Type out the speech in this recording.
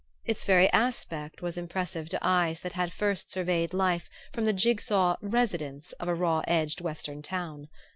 Its very aspect was impressive to eyes that had first surveyed life from the jig saw "residence" of a raw edged Western town.